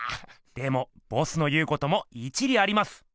でもボスの言うことも一理あります。